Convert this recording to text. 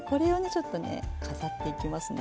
ちょっとね飾っていきますね。